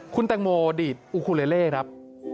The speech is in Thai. คุณแตงโมดีดอูคูเล่ครับ